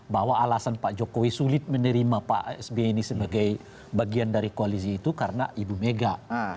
bahwa alasan pak jokowi sulit menerima pak sby ini sebagai bagian dari koalisi itu karena ibu mega